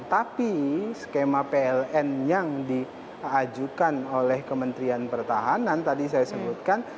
tapi skema pln yang diajukan oleh kementerian pertahanan tadi saya sebutkan